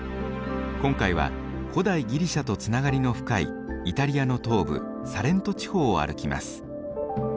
今回は古代ギリシャとつながりの深いイタリアの東部サレント地方を歩きます。